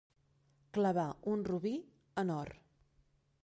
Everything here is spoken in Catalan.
Clavar un robí en or.